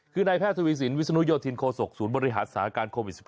คือนายแพทย์ทวีสินวิศนุโยธินโคศกศูนย์บริหารสถานการณ์โควิด๑๙